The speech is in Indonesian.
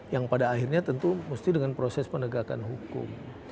yang pada akhirnya tentu mesti dengan proses penegakan hukum